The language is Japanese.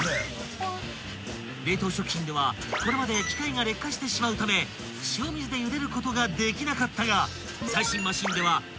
［冷凍食品ではこれまで機械が劣化してしまうため塩水でゆでることができなかったが］